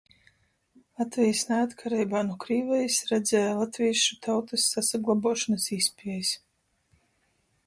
Latvejis naatkareibā nu Krīvejis redzēja latvīšu tautys sasaglobuošonys īspiejis.